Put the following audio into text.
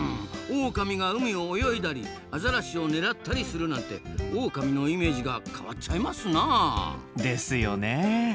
オオカミが海を泳いだりアザラシを狙ったりするなんてオオカミのイメージが変わっちゃいますなあ。ですよね。